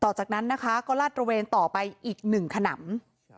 จากนั้นนะคะก็ลาดตระเวนต่อไปอีกหนึ่งขนำ